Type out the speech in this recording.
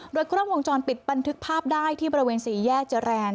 รถกล้องวงจรปิดปันทึกภาพได้ที่บริเวณศรีแยกเจอร์แรน